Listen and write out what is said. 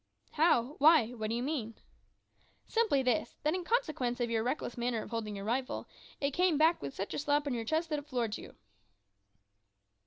"How? why? what do you mean?" "Simply this, that in consequence of your reckless manner of holding your rifle, it came back with such a slap on your chest that it floored you."